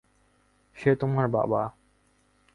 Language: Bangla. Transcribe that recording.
সে তোমার বাবা।